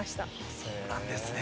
そうなんですね。